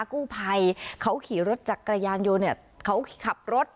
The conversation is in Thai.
กู้ภัยเขาขี่รถจักรยานยนต์เนี่ยเขาขับรถ